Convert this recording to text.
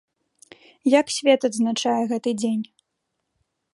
Як свет адзначае гэты дзень?